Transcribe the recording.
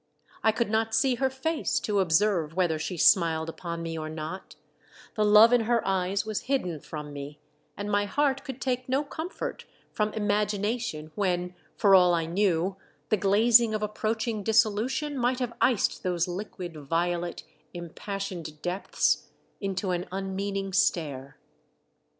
I could not see her face to observe whether she smiled upon me or not ; the love in her eyes was hidden from me, and my heart could take no comfort from imagination when, for all I knew, the glazing of approaching disso lution might have iced those liquid violet impassioned depths into an unmeaning stare.